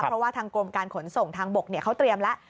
เพราะว่าทางกรมการขนส่งทางบกเขาเตรียมแล้ว